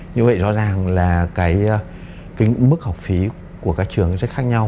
như vậy rõ ràng là cái mức học phí của các trường rất khác nhau